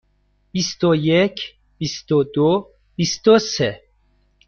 بیست و یک، بیست و دو، بیست و سه.